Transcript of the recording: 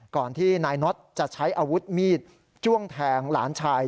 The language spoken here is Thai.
ก่อนที่นายน็อตจะใช้อาวุธมีดจ้วงแทงหลานชาย